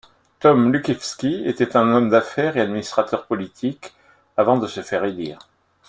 Tom Lukiwski était un homme d'affaires et administrateur politique avant de se faire élire.